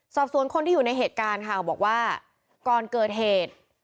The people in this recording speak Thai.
สอบสวนคนที่อยู่ในเหตุการณ์ค่ะบอกว่าก่อนเกิดเหตุ